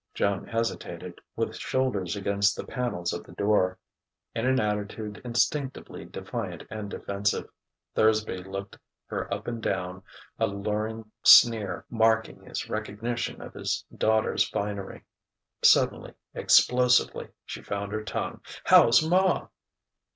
Joan hesitated, with shoulders against the panels of the door, in an attitude instinctively defiant and defensive. Thursby looked her up and down, a louring sneer marking his recognition of his daughter's finery. Suddenly, explosively, she found her tongue: "How's ma?"